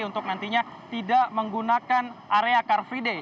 untuk nantinya tidak menggunakan area car free day